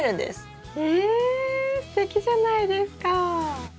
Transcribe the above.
えっすてきじゃないですか！